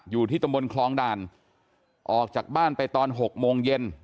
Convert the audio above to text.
อยู่ที่ตำบลคลองด่านออกจากบ้านไปตอน๖โมงเย็น